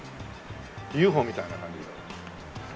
ＵＦＯみたいな感じだ。